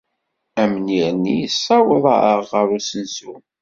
Amnir-nni yessaweḍ-aɣ ɣer usensu.